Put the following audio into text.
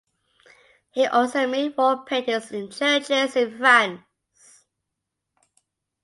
He also made wall paintings in churches in France.